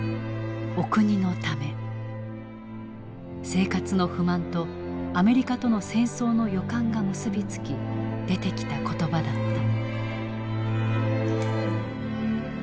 生活の不満とアメリカとの戦争の予感が結び付き出てきた言葉だった。